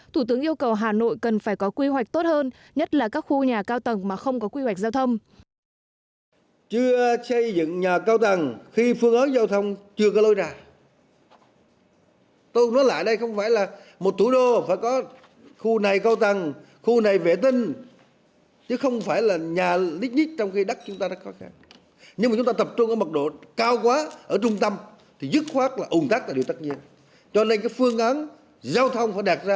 thủ tướng yêu cầu hà nội cần phải có quy hoạch tốt hơn nhất là các khu nhà cao tầng mà không có quy hoạch giao thông